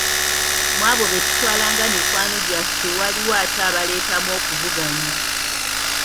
Mu abo be tutwalanga mikwano gyaffe waliwo ate abaleetamu okuvuganya.